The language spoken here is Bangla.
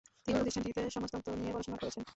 তিনি প্রতিষ্ঠানটিতে সমাজতত্ত্ব নিয়ে পড়াশোনা করেছেন।